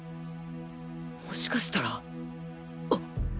もしかしたらあっ！